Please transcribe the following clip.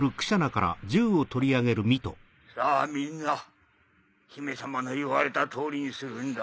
さぁみんな姫様の言われた通りにするんだ。